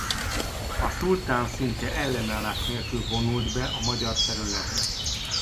A szultán szinte ellenállás nélkül vonult be magyar területre.